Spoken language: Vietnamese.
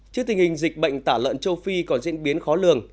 trước tình hình dịch bệnh tả lợn châu phi còn diễn biến khó lường